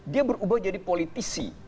dia berubah jadi politisi